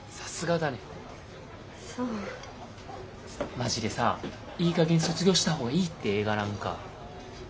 マジでさいいかげん卒業したほうがいいって映画なんか。